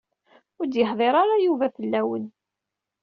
Ur d-yehdir ara Yuba fell-awen.